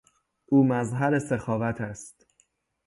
او مظهر سخاوت است.